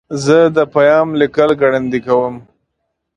زه د پیام لیکل ګړندي کوم.